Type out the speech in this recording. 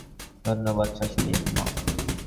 ধন্যবাদ শ্বাশুড়ি আম্মা।